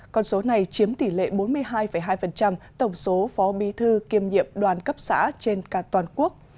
con số này chiếm tỷ lệ bốn mươi hai hai tổng số phó bí thư kiêm nhiệm đoàn cấp xã trên toàn quốc